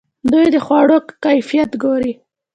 دوی د خوړو کیفیت ګوري.